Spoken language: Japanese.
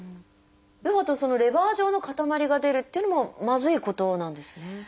そのレバー状の塊が出るっていうのもまずいことなんですね。